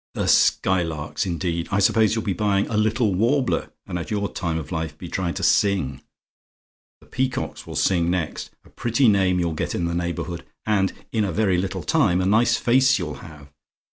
"The Skylarks, indeed! I suppose you'll be buying a 'Little Warbler,' and at your time of life, be trying to sing. The peacocks will sing next. A pretty name you'll get in the neighbourhood; and, in a very little time, a nice face you'll have.